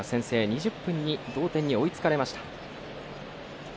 ２０分に同点に追いつかれました。